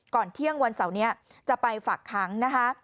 ก่อนเที่ยงวันเสาร์นี้จะไปฝากค้างนะคะ